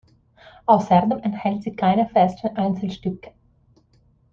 Außerdem enthält sie keine festen Einzelstücke.